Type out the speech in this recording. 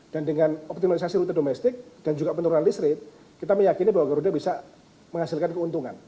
dan dengan optimalisasi rute domestik dan juga penurunan list rate kita meyakini bahwa garuda bisa menghasilkan keuntungan